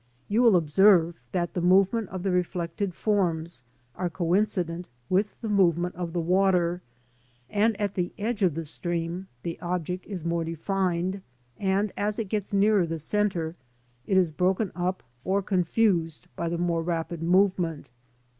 You will observe that the movement of the reflected forms are coincident with the movement of the water, and at the edge of the stream the object is more defined; and as it gets nearer the centre it is broken up or confused by the more rapid movement.